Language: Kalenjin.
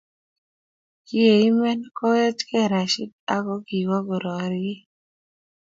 Kiei imen kowechikei Rashid ako kiwo kororie.